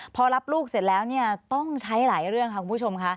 พอรับลูกเสร็จแล้วเนี่ยต้องใช้หลายเรื่องค่ะคุณผู้ชมค่ะ